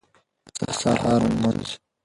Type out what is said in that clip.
د سهار لمونځ